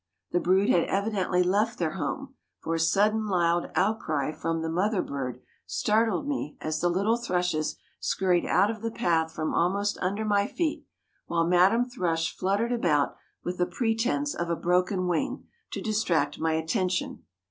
The brood had evidently left their home, for a sudden loud outcry from the mother bird startled me as the little thrushes scurried out of the path from almost under my feet, while Madame Thrush fluttered about with a pretense of a broken wing to distract my attention.